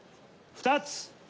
２つ。